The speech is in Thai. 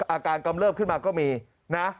อาการกำเลิภขึ้นมาก็มีนะ